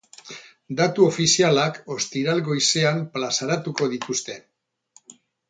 Datu ofizialak ostiral goizean plazaratuko dituzte.